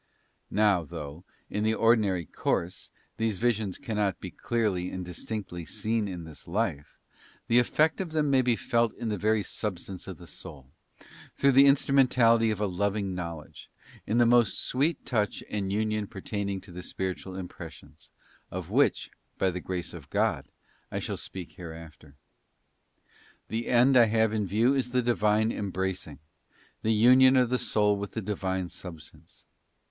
Now, though, in the ordinary course, these visions cannot be clearly and distinctly seen in this life, the effect of them ~ may be felt in the very substance of the soul, through the instrumentality of a loving knowledge, in the most sweet touch and union pertaining to the spiritual impressions, of which, by the grace of God, I shall speak hereafter. The end I have in view is the Divine Embracing, the Union of the sou] with the Divine Substance.